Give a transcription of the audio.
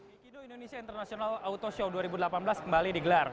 pekido indonesia international auto show dua ribu delapan belas kembali digelar